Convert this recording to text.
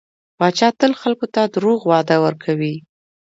پاچا تل خلکو ته دروغ وعده ورکوي .